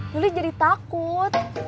duli jadi takut